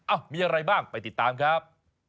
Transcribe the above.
มีอะไรบ้างไปติดตามครับ